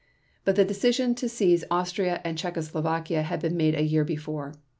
But the decision to seize Austria and Czechoslovakia had been made a year before.